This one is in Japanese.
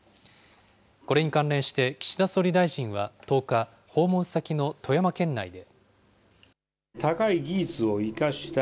これに関連して岸田総理大臣は１０日、訪問先の富山県内で。